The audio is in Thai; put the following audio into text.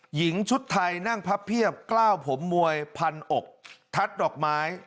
หญิงชุดไทยนั่งพับเพียบกล้าวผมมวยพันอกทัดดอกไม้